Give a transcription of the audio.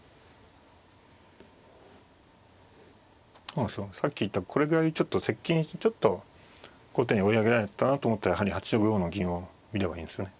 まあさっき言ったこれぐらいちょっと接近ちょっと後手に追い上げられたなと思ったらやはり８五の銀を見ればいいんですね。